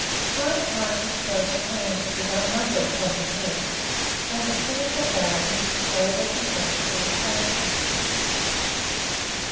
Hyde Park is close at hand, with un numbered public walks, and a botanical garden, the favourite resort of all classes.